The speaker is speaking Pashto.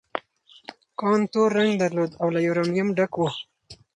کان تور رنګ درلود او له یورانیم ډک و.